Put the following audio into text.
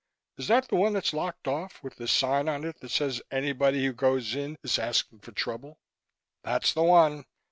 "Is that the one that's locked off, with the sign on it that says anybody who goes in is asking for trouble?" "That's the one.